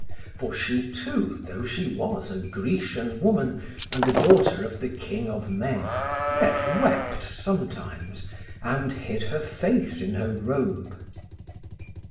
For she too, though she was a Grecian woman, and the daughter of the king of men, yet wept sometimes, and hid her face in her robe.